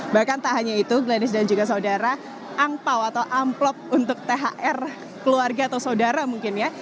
bahkan tak hanya itu glennis dan juga saudara angpao atau amplop untuk thr keluarga atau saudara mungkin ya